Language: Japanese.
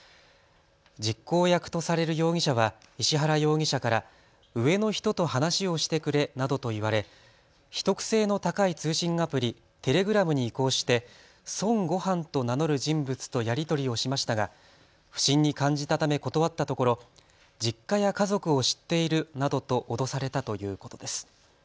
実行役とされる容疑者は石原容疑者から上の人と話をしてくれなどと言われ、秘匿性の高い通信アプリ、テレグラムに移行して孫悟飯と名乗る人物とやり取りをしましたが不審に感じたため断ったところ実家や家族を知っているなどと脅されたということです。